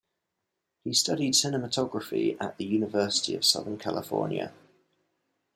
He studied cinematography at the University of Southern California.